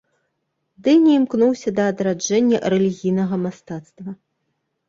Дэні імкнуўся да адраджэння рэлігійнага мастацтва.